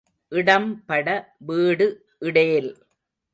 இடம் பட வீடு இடேல்.